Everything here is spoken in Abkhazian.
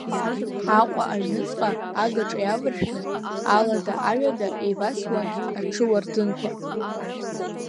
Аҟәа аҩныҵҟа агаҿа иаваршәны, алада аҩада еивасуан аҽы уардынқәа.